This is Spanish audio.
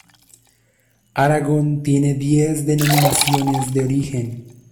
Aragón tiene diez Denominaciones de Origen